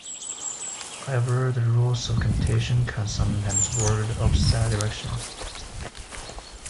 However, the rules of competition can sometimes work the opposite direction.